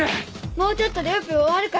もうちょっとでオペ終わるから。